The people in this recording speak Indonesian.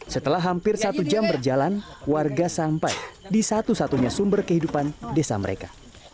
setelah hampir satu jam berjalan warga sampai di satu satunya sumber kehidupan desa mereka